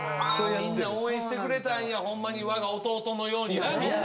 みんな応援してくれたんやほんまに我が弟のようになみんな。